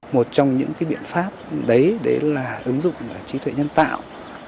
một trong những cái biện pháp đấy là ứng dụng trí tuệ nhân tạo